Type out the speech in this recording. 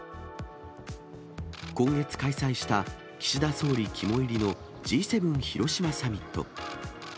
今月開催した岸田総理肝煎りのＧ７広島サミット。